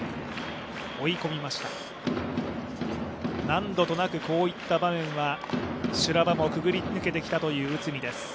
何度となくこういった場面は修羅場もくぐり抜けてきたという内海です。